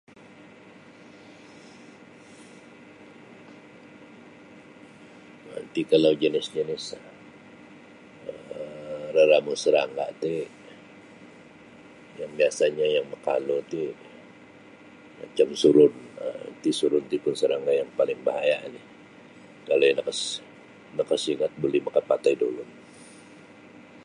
Manti kalau jenis-jenis um raramu serangga ti yang biasanyo yang makalu ti macam surun um iti surun ti pun serangga yang paling bahaya iti kalau iyo nakas nakasingot buli makapatai do ulun.